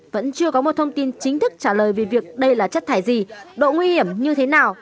vẫn chưa có một thông tin chính thức trả lời về việc đây là chất thải gì độ nguy hiểm như thế nào